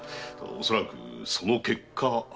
恐らくその結果。